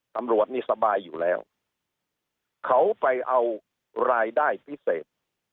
ตำรวจนี่สบายอยู่แล้วเขาไปเอารายได้พิเศษ